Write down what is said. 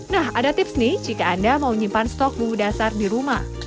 nah ada tips nih jika anda mau menyimpan stok bumbu dasar di rumah